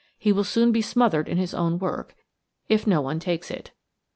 He will soon be smothered in his own work, if no one takes it.